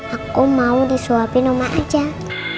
aku mau disuapin om macan